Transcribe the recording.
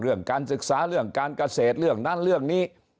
เรื่องการศึกษาเรื่องการเกษตรเรื่องนั้นเรื่องนี้